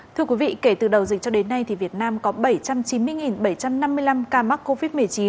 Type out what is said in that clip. thưa quý vị kể từ đầu dịch cho đến nay thì việt nam có bảy trăm chín mươi bảy trăm năm mươi năm ca mắc covid một mươi chín